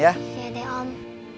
iya deh om